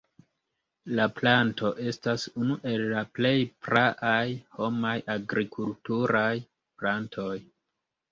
La planto estas unu el la plej praaj homaj agrikulturaj plantoj.